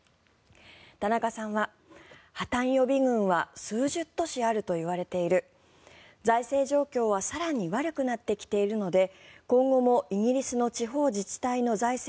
田中さんは、破たん予備軍は数十都市あるといわれている財政状況は更に悪くなってきているので今後もイギリスの地方自治体の財政